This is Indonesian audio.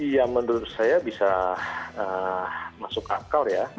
ya menurut saya bisa masuk akal ya